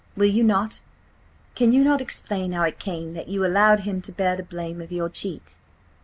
Will you not–can you not explain how it came that you allowed him to bear the blame of your cheat?"